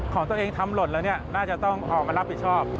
ของตัวเองทำหล่นแล้วเนี่ยน่าจะต้องออกมารับผิดชอบ